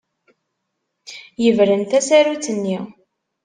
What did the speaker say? Yebren tasarut-nni.